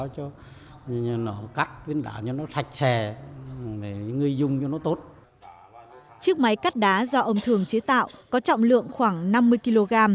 chiếc máy cắt đá do ông thường chế tạo có trọng lượng khoảng năm mươi kg